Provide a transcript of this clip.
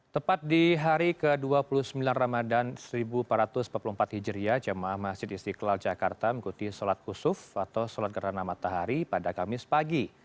tepat di hari ke dua puluh sembilan ramadan seribu empat ratus empat puluh empat hijriah jemaah masjid istiqlal jakarta mengikuti sholat khusuf atau sholat gerhana matahari pada kamis pagi